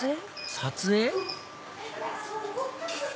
撮影？